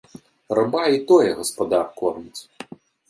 Раба і тое гаспадар корміць.